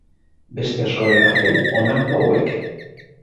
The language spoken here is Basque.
Beste askoren artean honako hauek.